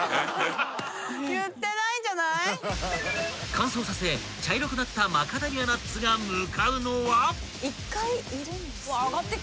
［乾燥させ茶色くなったマカダミアナッツが向かうのは］